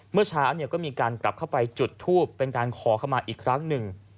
เมื่อเช้าก็มีการกลับเข้าไปจุดทูปเป็นการขอเข้ามาอีกครั้งหนึ่ง